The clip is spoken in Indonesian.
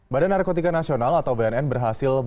badan narkotika nasional atau bnn berhasil